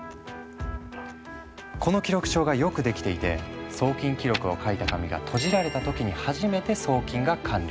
この記録帳がよく出来ていて送金記録を書いた紙がとじられた時に初めて送金が完了。